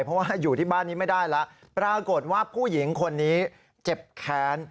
เพราะว่าอยู่ที่บ้านนี้ไม่ได้แล้วปรากฏว่าผู้หญิงคนนี้เจ็บแค้น